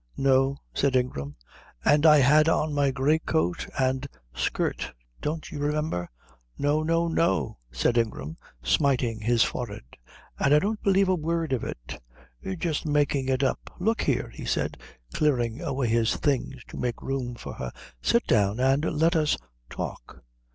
"No," said Ingram. "And I had on my grey coat and skirt. Don't you remember?" "No, no, no," said Ingram, smiting his forehead, "and I don't believe a word of it. You're just making it up. Look here," he said, clearing away his things to make room for her, "sit down and let us talk.